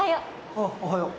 ああおはよう。